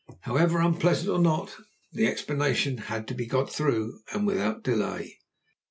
However, unpleasant or not, the explanation had to be got through, and without delay.